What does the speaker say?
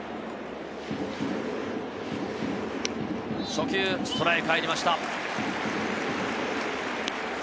初球ストライク、入りました。